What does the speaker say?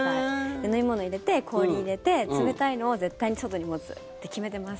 で、飲み物入れて、氷入れて冷たいのを絶対に外に持つって決めてます。